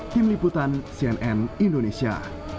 tim liputan cnn indonesia